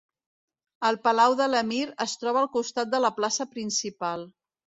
El palau de l'emir es troba al costat de la plaça principal.